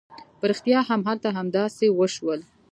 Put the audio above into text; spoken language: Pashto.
په رښتيا هم هلته همداسې وشول.